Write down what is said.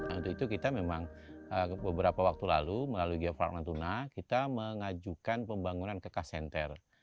untuk itu kita memang beberapa waktu lalu melalui geoprak natuna kita mengajukan pembangunan kekah senter